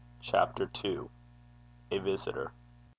CHAPTER II. A VISITOR.